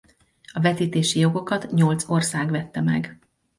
A vetítési jogokat nyolc ország vette meg.